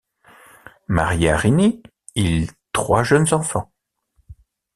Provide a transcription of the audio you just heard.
Marié à Rinnie, il trois jeunes enfants.